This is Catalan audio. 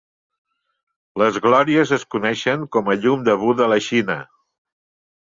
Les glòries es coneixen com a Llum de Buda a la Xina.